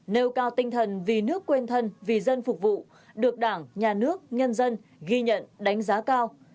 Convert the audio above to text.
nêu cao tinh thần vì nước quên thân vì dân phục vụ được đảng nhà nước nhân dân ghi nhận đánh giá cao